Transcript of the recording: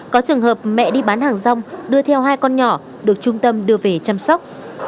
có trường hợp mẹ đi bán hàng rong đưa theo hai con nhỏ được trung tâm đưa về chăm sóc